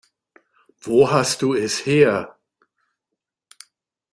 Wo hast du es her?